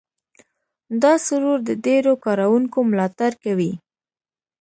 دا سرور د ډېرو کاروونکو ملاتړ کوي.